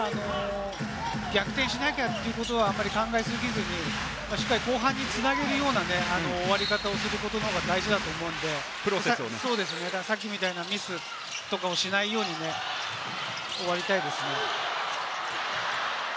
逆転しなきゃというのは考えすぎずに、しっかり後半に繋げるような終わり方をすることが大事だと思うので、さっきみたいなミスとかをしないように終わりたいです。